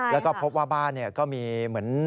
แล้วก็พบว่าบ้านก็มีเหมือน